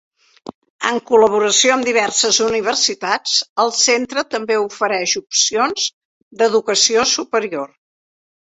En col·laboració amb diverses universitats, el centre també ofereix opcions d'educació superior.